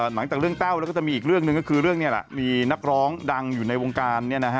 หลังจากเรื่องแต้วแล้วก็จะมีอีกเรื่องหนึ่งก็คือเรื่องนี้แหละมีนักร้องดังอยู่ในวงการ